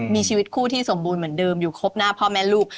มีชีวิตคู่ที่สมบูรณ์เหมือนเดิมอยู่ครบหน้าพ่อแม่ลูก